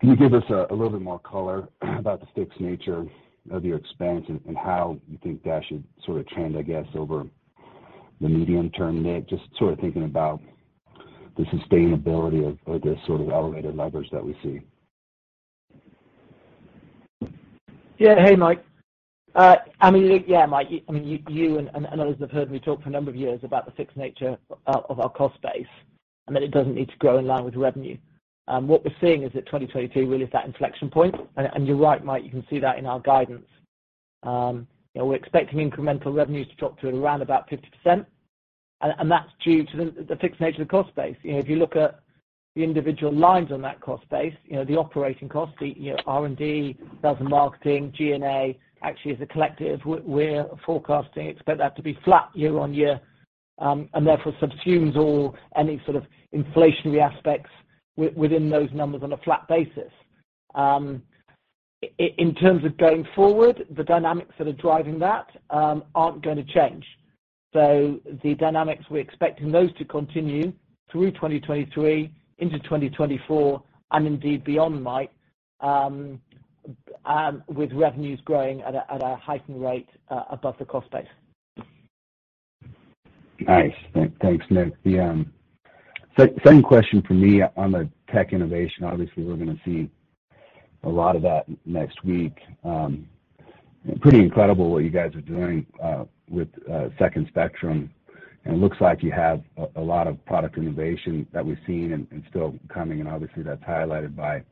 Can you give us a little bit more color about the fixed nature of your expense and how you think that should sort of trend, I guess, over the medium term, Nick? Just sort of thinking about the sustainability of this sort of elevated leverage that we see. Yeah. Hey, Mike. I mean, look, yeah, Mike, I mean, you and others have heard me talk for a number of years about the fixed nature of our cost base, and that it doesn't need to grow in line with revenue. What we're seeing is that 2022 really is that inflection point. You're right, Mike, you can see that in our guidance. You know, we're expecting incremental revenues to drop to around about 50%, and that's due to the fixed nature of the cost base. You know, if you look at the individual lines on that cost base, you know, the operating costs, the, you know, R&D, sales and marketing, G&A, actually, as a collective, we're forecasting, expect that to be flat year-on-year, and therefore subsumes all any sort of inflationary aspects within those numbers on a flat basis. In terms of going forward, the dynamics that are driving that aren't gonna change. The dynamics, we're expecting those to continue through 2023 into 2024 and indeed beyond, Mike, with revenues growing at a heightened rate above the cost base. Nice. Thanks, Nick. The second question for me on the tech innovation, obviously we're gonna see a lot of that next week. Pretty incredible what you guys are doing with Second Spectrum. It looks like you have a lot of product innovation that we've seen and still coming, and obviously that's highlighted by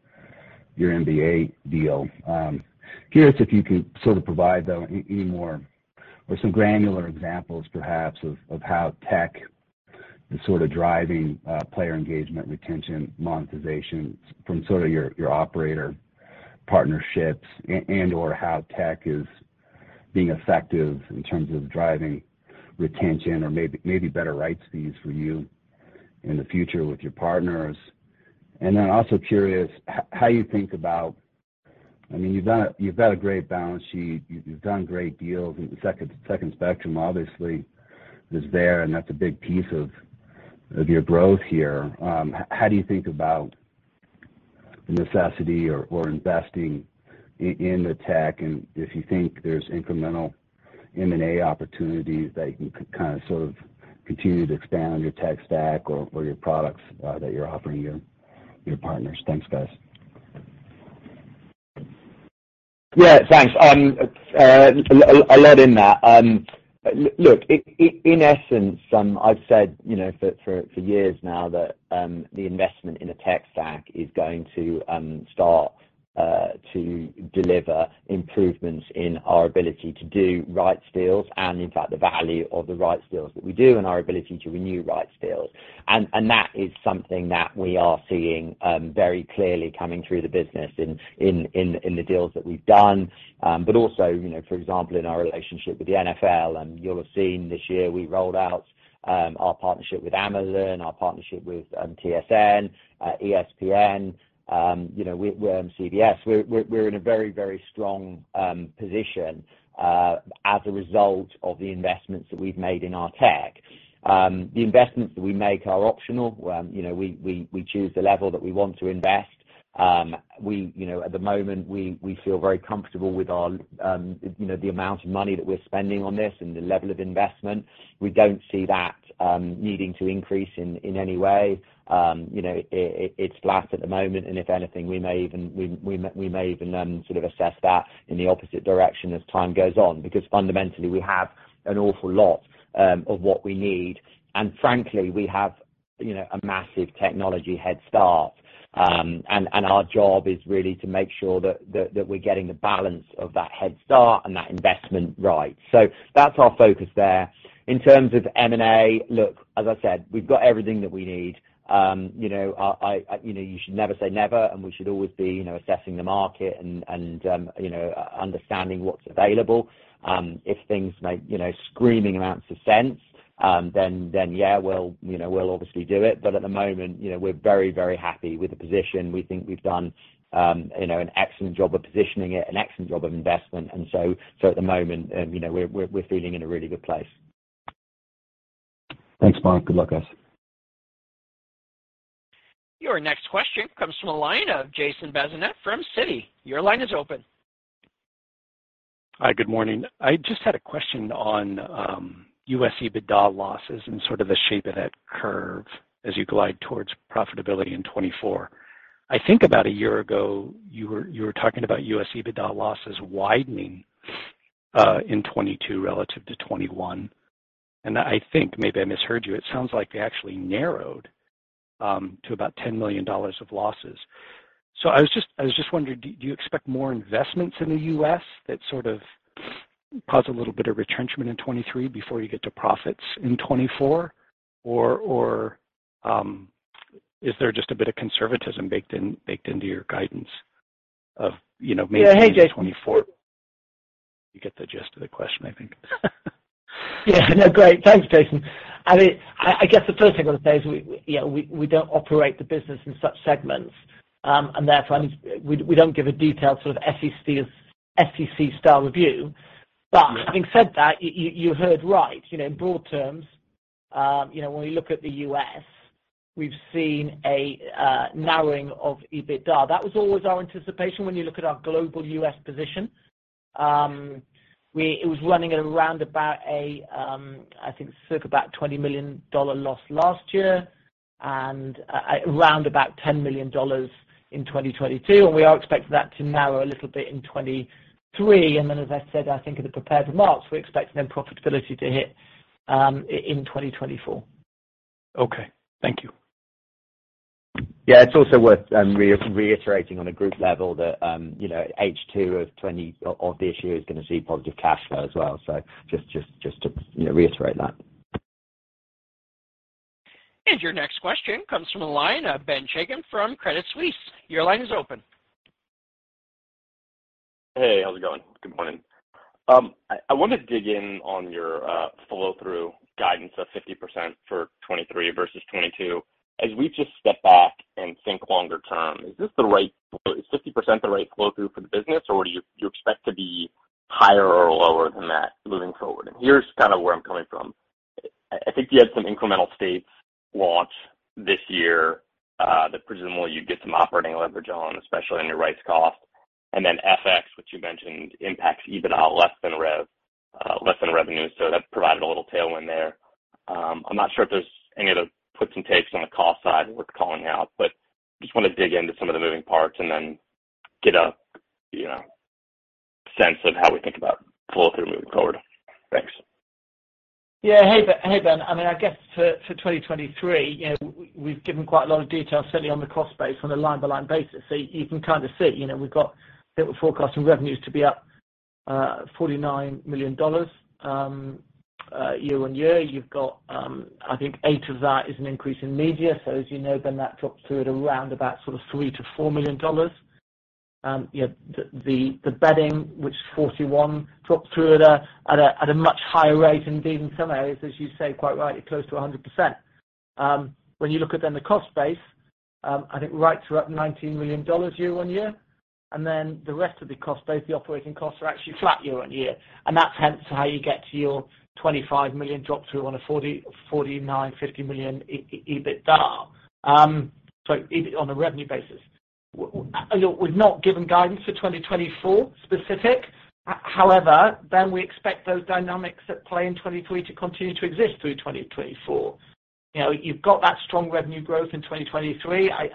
your NBA deal. Curious if you can sort of provide, though, any more or some granular examples perhaps of how tech is sort of driving player engagement, retention, monetization from sort of your operator partnerships and/or how tech is being effective in terms of driving retention or maybe better rights fees for you in the future with your partners. Also curious how you think about, I mean, you've got a great balance sheet. You've done great deals, and Second Spectrum obviously is there, and that's a big piece of your growth here. How do you think about the necessity or investing in the tech and if you think there's incremental M&A opportunities that you can kind of sort of continue to expand on your tech stack or your products that you're offering your partners? Thanks, guys. Yeah, thanks. a lot in that. in essence, I've said, you know, for years now that the investment in a tech stack is going to start to deliver improvements in our ability to do rights deals and in fact the value of the rights deals that we do and our ability to renew rights deals. that is something that we are seeing very clearly coming through the business in the deals that we've done. but also, you know, for example, in our relationship with the NFL, and you'll have seen this year we rolled out our partnership with Amazon, our partnership with TSN, ESPN, you know, with CBS. We're in a very, very strong position as a result of the investments that we've made in our tech. The investments that we make are optional, where, you know, we choose the level that we want to invest. We, you know, at the moment, we feel very comfortable with our, you know, the amount of money that we're spending on this and the level of investment. We don't see that needing to increase in any way. You know, it's flat at the moment, and if anything, we may even sort of assess that in the opposite direction as time goes on, because fundamentally, we have an awful lot of what we need. Frankly, we have, you know, a massive technology head start, and our job is really to make sure that we're getting the balance of that head start and that investment right. That's our focus there. In terms of M&A, look, as I said, we've got everything that we need. You know, I, you know, you should never say never, and we should always be, you know, assessing the market and, you know, understanding what's available. If things make, you know, screaming amounts of sense, then yeah, we'll, you know, we'll obviously do it. At the moment, you know, we're very happy with the position. We think we've done, you know, an excellent job of positioning it, an excellent job of investment. So at the moment, you know, we're feeling in a really good place. Thanks, Mark. Good luck, guys. Your next question comes from the line of Jason Bazinet from Citi. Your line is open. Hi, good morning. I just had a question on U.S. EBITDA losses and sort of the shape of that curve as you glide towards profitability in 2024. I think about a year ago, you were talking about U.S. EBITDA losses widening in 2022 relative to 2021, and I think maybe I misheard you. It sounds like they actually narrowed to about $10 million of losses. I was just wondering, do you expect more investments in the U.S. that sort of cause a little bit of retrenchment in 2023 before you get to profits in 2024? Or is there just a bit of conservatism baked into your guidance of, you know, maybe. Yeah. Hey, Jason 2024? You get the gist of the question, I think. Yeah. No, great. Thanks, Jason. I mean, I guess the first thing I would say is we, you know, we don't operate the business in such segments, therefore, I mean, we don't give a detailed sort of SEC style review. Yeah. Having said that, you heard right. You know, in broad terms, you know, when we look at the US, we've seen a narrowing of EBITDA. That was always our anticipation when you look at our global US position. It was running at around about a, I think circa about $20 million dollar loss last year and around about $10 million in 2022, and we are expecting that to narrow a little bit in 2023. As I said, I think in the prepared remarks, we're expecting profitability to hit in 2024. Okay. Thank you. Yeah. It's also worth reiterating on a group level that, you know, H2 this year is gonna see positive cash flow as well. just to, you know, reiterate that. Your next question comes from the line of Ben Chaiken from Credit Suisse. Your line is open. Hey, how's it going? Good morning. I wanted to dig in on your flow through guidance of 50% for 2023 versus 2022. We just step back and think longer term, is 50% the right flow through for the business, or do you expect to be higher or lower than that moving forward? Here's kind of where I'm coming from. I think you had some incremental states launch this year, that presumably you'd get some operating leverage on, especially on your rights cost. FX, which you mentioned impacts EBITDA less than revenue, that provided a little tailwind there. I'm not sure if there's any other puts and takes on the cost side worth calling out, but just wanna dig into some of the moving parts and then get a, you know, sense of how we think about flow through moving forward. Thanks. Hey, Ben. I mean, I guess for 2023, you know, we've given quite a lot of detail, certainly on the cost base on a line by line basis. You can kind of see, you know, that we're forecasting revenues to be up $49 million year-on-year. You've got, I think 8 of that is an increase in media. As you know, Ben, that drops through at around about sort of $3 million-$4 million. Yeah, the betting, which 41 dropped through at a much higher rate, indeed, in some areas, as you say, quite rightly, close to 100%. When you look at then the cost base, I think rights are up $19 million year-on-year. The rest of the cost base, the operating costs are actually flat year-over-year. That's hence how you get to your $25 million drop through on a $40 million-$50 million EBITDA. So on a revenue basis. Look, we've not given guidance for 2024 specific. However, we expect those dynamics at play in 2023 to continue to exist through 2024. You know, you've got that strong revenue growth in 2023. I,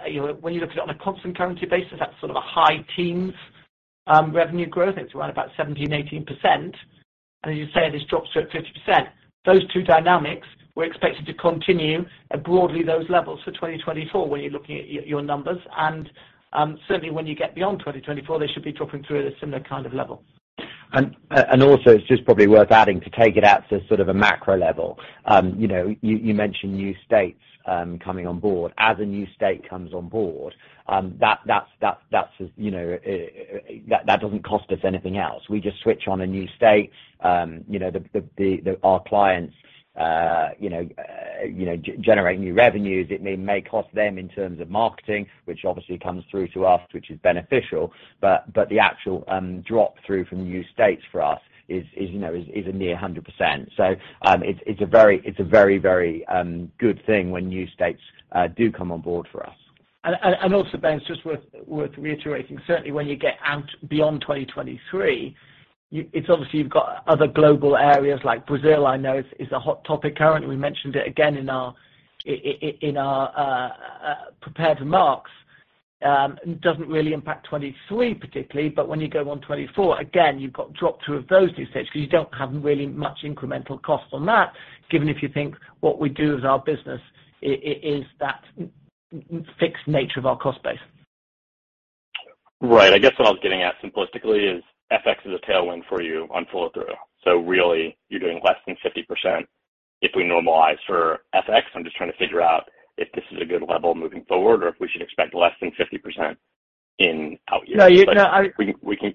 when you look at it on a constant currency basis, that's sort of a high teens revenue growth. It's around about 17%-18%. As you say, this drops to 50%. Those two dynamics, we're expected to continue at broadly those levels for 2024 when you're looking at your numbers. Certainly when you get beyond 2024, they should be dropping through at a similar kind of level. It's just probably worth adding to take it out to a macro level. You know, you mentioned new states coming on board. As a new state comes on board, that's, that doesn't cost us anything else. We just switch on a new state. You know, the—our clients, you know, you know, generate new revenues. It may cost them in terms of marketing, which obviously comes through to us, which is beneficial. The actual drop through from the new states for us is, you know, is a near 100%. It's a very, very, good thing when new states do come on board for us. Also, Ben, it's just worth reiterating, certainly when you get out beyond 2023, it's obviously you've got other global areas like Brazil, I know is a hot topic currently. We mentioned it again in our prepared remarks. It doesn't really impact 23 particularly, but when you go on 24, again, you've got drop through of those new states 'cause you don't have really much incremental cost on that, given if you think what we do as our business is that fixed nature of our cost base. I guess what I was getting at simplistically is FX is a tailwind for you on flow through. Really you're doing less than 50% if we normalize for FX. I'm just trying to figure out if this is a good level moving forward or if we should expect less than 50% in out years. No, you know. We can.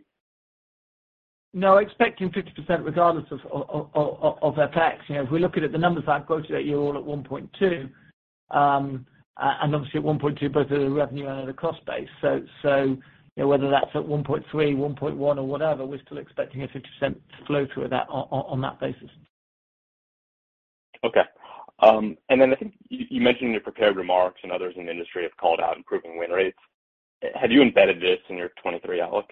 No, expecting 50% regardless of FX. You know, if we look at it, the numbers I've quoted at you all at 1.2, and obviously at 1.2, both at a revenue and at a cost base. you know, whether that's at 1.3, 1.1 or whatever, we're still expecting a 50% flow through of that on that basis. Okay. I think you mentioned in your prepared remarks and others in the industry have called out improving win rates. Have you embedded this in your 23 outlook?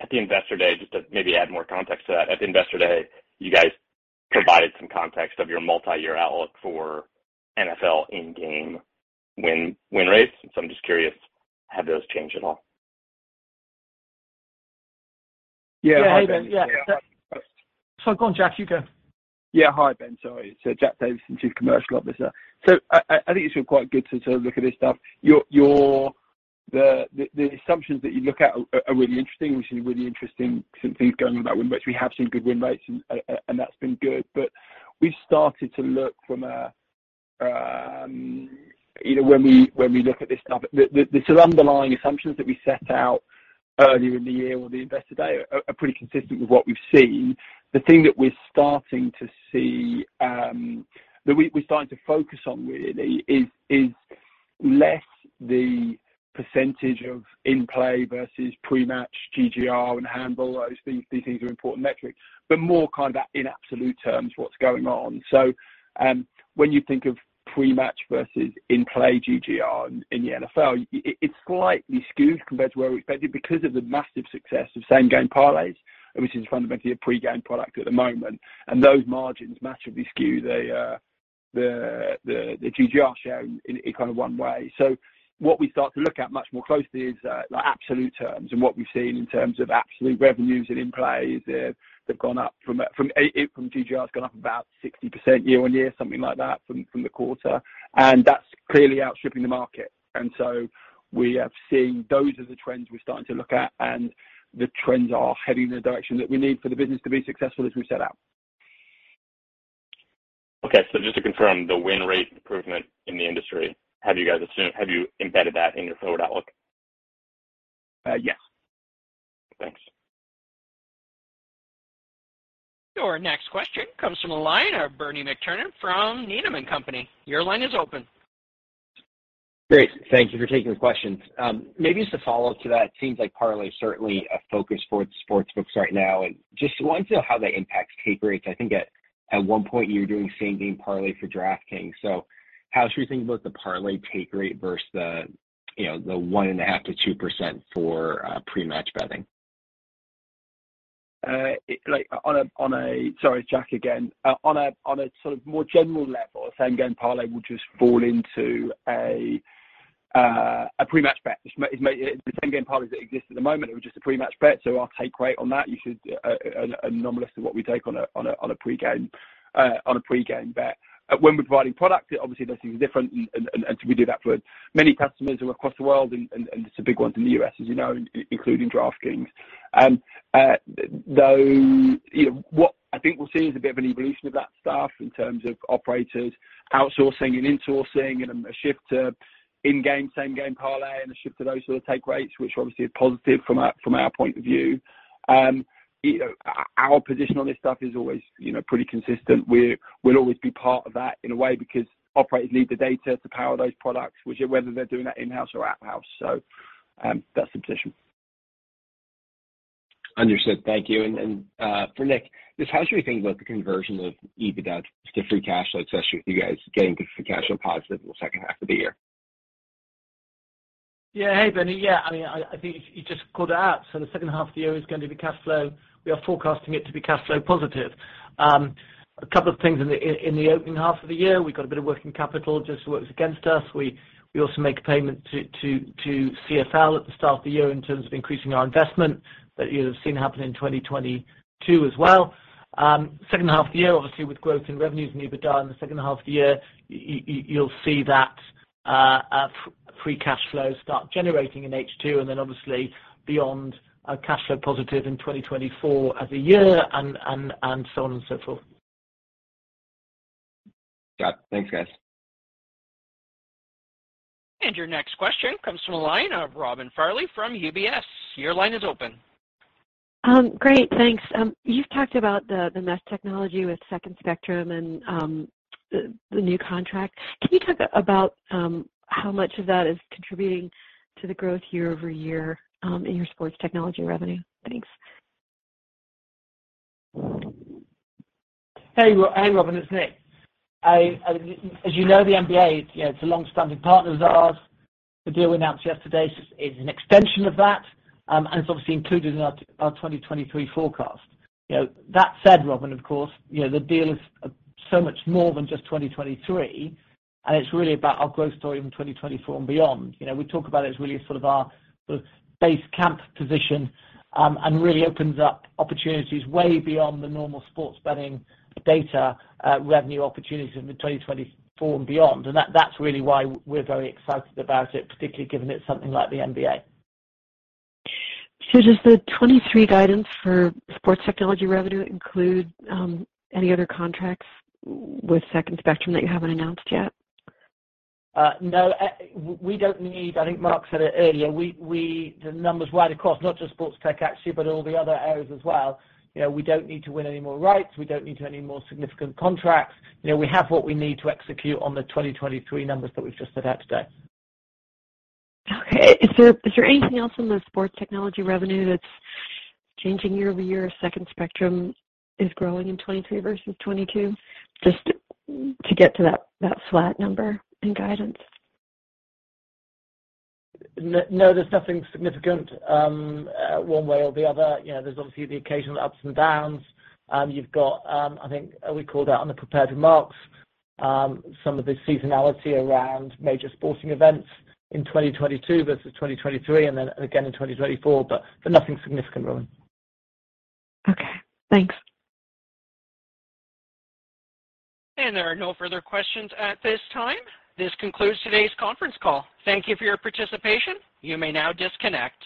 At the Investor Day, just to maybe add more context to that, at the Investor Day, you guys provided some context of your multi-year outlook for NFL in-game win rates. I'm just curious, have those changed at all? Yeah. Hey, Ben. Yeah. Sorry. Go on, Jack, you go. Yeah. Hi, Ben. Sorry. Jack Davison, Chief Commercial Officer. I think it's quite good to look at this stuff. The assumptions that you look at are really interesting. We've seen really interesting some things going on about win rates. We have seen good win rates and that's been good. We've started to look from a, you know, when we look at this stuff, there's some underlying assumptions that we set out earlier in the year or the Investor Day are pretty consistent with what we've seen. The thing that we're starting to see that we're starting to focus on really is less the percentage of in-play versus pre-match GGR and handle. Those things, these things are important metrics, more kind of in absolute terms what's going on. When you think of pre-match versus in-play GGR in the NFL, it's slightly skewed compared to where we expected because of the massive success of same-game parlays, which is fundamentally a pre-game product at the moment. Those margins massively skew the GGR share in kind of one way. What we start to look at much more closely is like absolute terms and what we've seen in terms of absolute revenues in in-plays. They've gone up from GGR has gone up about 60% year-on-year, something like that from the quarter, and that's clearly outstripping the market. We have seen those are the trends we're starting to look at, and the trends are heading in the direction that we need for the business to be successful as we set out. Okay. Just to confirm, the win rate improvement in the industry, have you embedded that in your forward outlook? Yes. Thanks. Your next question comes from the line of Bernie McTernan from Needham & Company. Your line is open. Great. Thank you for taking the questions. Maybe as a follow-up to that, it seems like parlay is certainly a focus for the sportsbooks right now, and just wanted to know how that impacts take rates. I think at one point you were doing same-game parlay for DraftKings. How should we think about the parlay take rate versus the, you know, the 1.5%-2% for pre-match betting? Like on a, on a. Sorry, it's Jack again. On a, on a sort of more general level, a same-game parlay would just fall into a pre-match bet. The same-game parlays that exist at the moment are just a pre-match bet. Our take rate on that you should anomalous to what we take on a pre-game, on a pre-game bet. When we're providing products, obviously this is different and we do that for many customers who are across the world and some big ones in the U.S., as you know, including DraftKings. Though, you know, what I think we'll see is a bit of an evolution of that stuff in terms of operators outsourcing and insourcing and a shift to in-game, same-game parlay and a shift to those sort of take rates, which obviously is positive from our, from our point of view. You know, our position on this stuff is always, you know, pretty consistent. We'll always be part of that in a way because operators need the data to power those products, whether they're doing that in-house or out-of-house. That's the position. Understood. Thank you. For Nick, just how should we think about the conversion of EBITDA to free cash flow, especially with you guys getting to free cash flow positive in the second half of the year? Hey, Bernie. I mean, I think you just called it out. The second half of the year is going to be cash flow. We are forecasting it to be cash flow positive. A couple of things in the opening half of the year. We got a bit of working capital just works against us. We also make a payment to CFL at the start of the year in terms of increasing our investment that you'll have seen happen in 2022 as well. Second half of the year, obviously with growth in revenues and EBITDA in the second half of the year, you'll see that free cash flow start generating in H2 and then obviously beyond cash flow positive in 2024 as a year and so on and so forth. Got it. Thanks, guys. Your next question comes from the line of Robin Farley from UBS. Your line is open. Great. Thanks. You've talked about the mesh technology with Second Spectrum and the new contract. Can you talk about how much of that is contributing to the growth year-over-year in your sports technology revenue? Thanks. Hey, Robin, it's Nick. As you know, the NBA, it's, you know, it's a long-standing partners of ours. The deal we announced yesterday is an extension of that, and it's obviously included in our 2023 forecast. You know, that said, Robin, of course, you know, the deal is so much more than just 2023, and it's really about our growth story from 2024 and beyond. You know, we talk about it as really sort of our sort of base camp position, and really opens up opportunities way beyond the normal sports betting data revenue opportunities in the 2024 and beyond. That's really why we're very excited about it, particularly given it's something like the NBA. Does the 23 guidance for sports technology revenue include any other contracts with Second Spectrum that you haven't announced yet? No. We don't need. I think Mark said it earlier. We the numbers wide across, not just sports tech actually, but all the other areas as well. You know, we don't need to win any more rights. We don't need to do any more significant contracts. You know, we have what we need to execute on the 2023 numbers that we've just set out today. Okay. Is there anything else in the sports technology revenue that's changing year-over-year as Second Spectrum is growing in 2023 versus 2022, just to get to that flat number in guidance? No, there's nothing significant, one way or the other. You know, there's obviously the occasional ups and downs. You've got, I think we called out on the prepared remarks, some of the seasonality around major sporting events in 2022 versus 2023 and then again in 2024, but nothing significant, Robin. Okay. Thanks. There are no further questions at this time. This concludes today's conference call. Thank you for your participation. You may now disconnect.